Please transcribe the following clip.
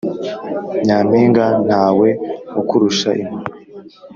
Nyampinga ntawe ukurusha impuhwe